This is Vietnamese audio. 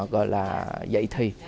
gọi là dạy thi